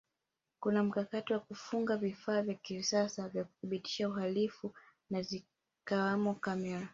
kuna mkakati wa kufunga vifaa vya kisasa vya kudhibiti uhalifu na zikiwamo kamera